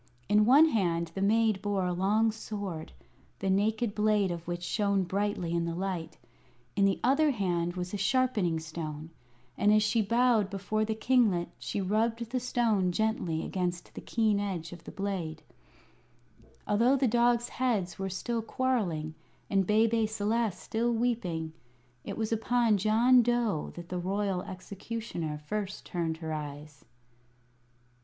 In one hand the maid bore a long sword, the naked blade of which shone brightly in the light. In the other hand was a sharpening stone, and as she bowed before the kinglet she rubbed the stone gently against the keen edge of the blade. Although the dog's heads were still quarrelling, and Bebe Celeste still weeping, it was upon John Dough that the Royal Executioner first turned her eyes.